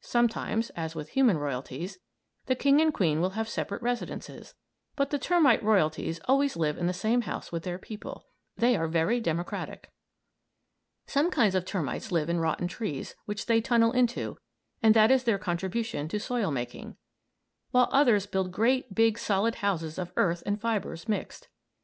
Sometimes as with human royalties the king and queen will have separate residences, but the termite royalties always live in the same house with their people; they are very democratic. Some kinds of termites live in rotten trees, which they tunnel into, and that is their contribution to soil making; while others build great, big solid houses of earth and fibres, mixed.